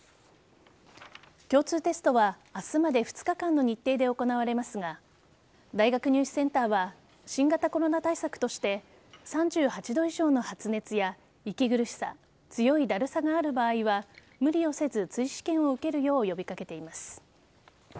共通テストは明日まで２日間の日程で行われますが大学入試センターは新型コロナ対策として３８度以上の発熱や息苦しさ強いだるさがある場合は無理をせず、追試験を受けるよう呼び掛けています。